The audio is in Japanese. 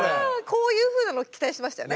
こういうふうなの期待してましたよね。